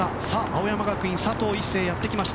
青山学院、佐藤一世です。